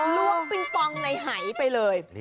ล้วงปิงปองในหายไปเลย